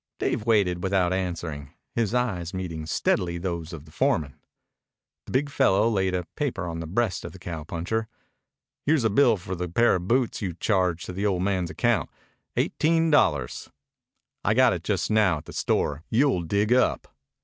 Dave waited without answering, his eyes meeting steadily those of the foreman. The big fellow laid a paper on the breast of the cowpuncher. "Here's a bill for a pair of boots you charged to the old man's account eighteen dollars. I got it just now at the store. You'll dig up."